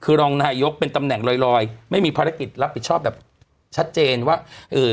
คือรองนายกเป็นตำแหน่งลอยลอยไม่มีภารกิจรับผิดชอบแบบชัดเจนว่าเอ่อ